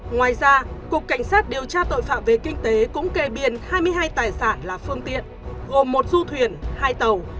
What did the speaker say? ngoài ra cục cảnh sát điều tra tội phạm về kinh tế cũng kê biên hai mươi hai tài sản là phương tiện gồm một du thuyền hai tàu